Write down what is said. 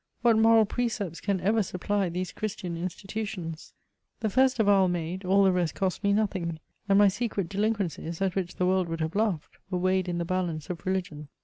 What moral precepts can ever supply these Christian institutions ? The first avowal made, all the rest cost me nothing ; and my secret delinquencies, at which the world would have laughed, were weighed in the balance of religion.